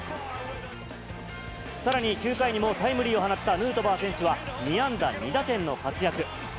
さらに、９回にもタイムリーを放ったヌートバー選手は、２安打２打点の活躍。